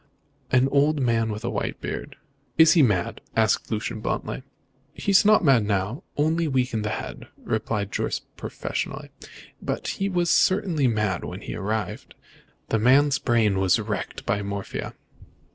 "An old man with a white beard." "Is he mad?" asked Lucian bluntly. "He is not mad now, only weak in the head," replied Jorce professionally, "but he was certainly mad when he arrived. The man's brain is wrecked by morphia."